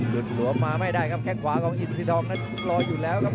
หลวมมาไม่ได้ครับแค่งขวาของอินซีดองนั้นรออยู่แล้วครับ